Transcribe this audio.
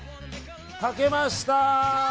炊けました。